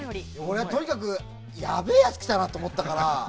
俺、とにかくやべえやつ来たなって思ったから。